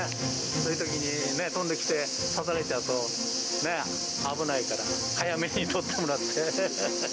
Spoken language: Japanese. そういうときにね、飛んできて刺されちゃうと危ないから、早めに取ってもらって。